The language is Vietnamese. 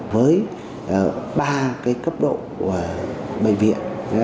với ba cấp độ bệnh viện